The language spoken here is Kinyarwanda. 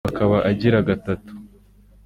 uwo akaba agira gatatu